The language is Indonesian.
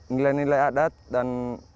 nilai nilai adat dan